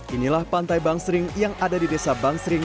inilah pantai bangsering yang ada di desa bangsering